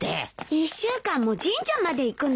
１週間も神社まで行くのよ。